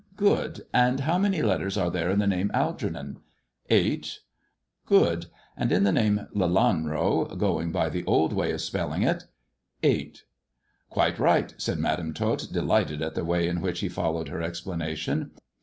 " Good. And how many letters are there in the name Algernon 1 "" Eight." " Good. And in the name Lealanro, going by the old way of spelling it 1 "" Eight." " Quite right," said Madam Tot, delighted at the way in which he followed her explanation.